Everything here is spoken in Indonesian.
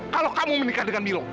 kalau kamu menikah dengan bilo